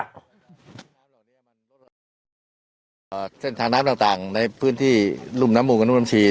อ่าเส้นทางน้ำต่างต่างในพื้นที่ลุ่มน้ำหมูกับลุ่มน้ำชี